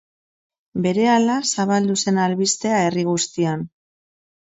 Berehala zabaldu zen albistea herri guztian.